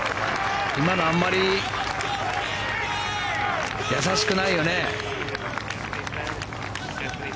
今のあまり易しくないよね？